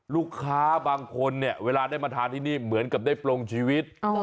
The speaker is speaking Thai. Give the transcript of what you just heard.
ลูกค้าบางคนเนี่ยเวลาได้มาทานที่นี่เหมือนกับได้ปลงชีวิต